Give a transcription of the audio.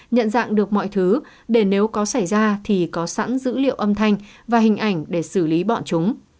nhận dạng được mọi thứ để nếu có xảy ra thì có sẵn dữ liệu âm thanh và hình ảnh để xử lý bọn chúng